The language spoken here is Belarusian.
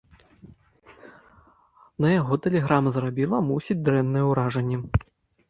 На яго тэлеграма зрабіла, мусіць, дрэннае ўражанне.